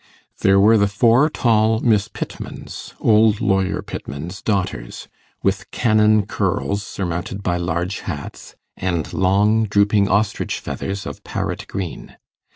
There were the four tall Miss Pittmans, old lawyer Pittman's daughters, with cannon curls surmounted by large hats, and long, drooping ostrich feathers of parrot green.